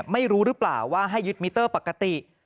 ไม่รู้หรือเปล่าว่าให้ยึดมิเตอร์ปกติ